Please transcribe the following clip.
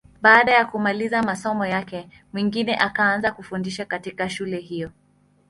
Baada ya kumaliza masomo yake, Mwingine akaanza kufundisha katika shule hiyo.